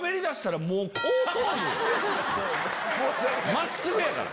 真っすぐやから。